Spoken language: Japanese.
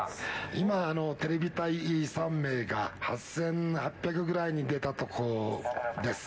今、テレビ隊３名が、８８００ぐらいに出たところです。